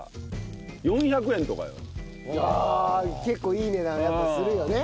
あ結構いい値段やっぱするよね。